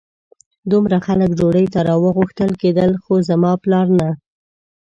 دومره خلک ډوډۍ ته راغوښتل کېدل خو زما پلار نه.